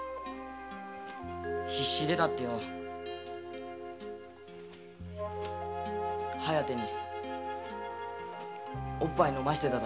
必死で立ってよ「疾風」にオッパイ飲ませてただよ。